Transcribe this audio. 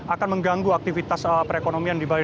akan mengganggu aktivitas perekonomian di bali